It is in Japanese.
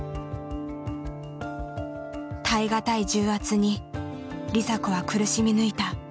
耐え難い重圧に梨紗子は苦しみ抜いた。